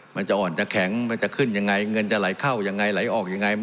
มันจะอ่อนจะแข็งมันจะขึ้นยังไงเงินจะไหลเข้ายังไงไหลออกยังไง